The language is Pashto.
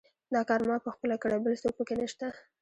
دا کار ما پخپله کړی، بل څوک پکې نشته.